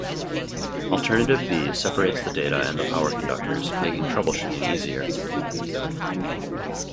Alternative B separates the data and the power conductors, making troubleshooting easier.